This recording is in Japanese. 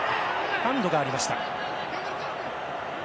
ハンドがありました。